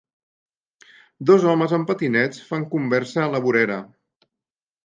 Dos homes amb patinets fan conversa a la vorera